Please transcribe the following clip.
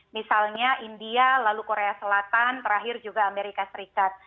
misalnya india lalu korea selatan terakhir juga amerika serikat